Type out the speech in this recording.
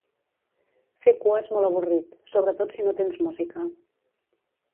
Fer cua és molt avorrit, sobretot si no tens música.